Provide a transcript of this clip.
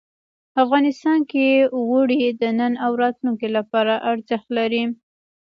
افغانستان کې اوړي د نن او راتلونکي لپاره ارزښت لري.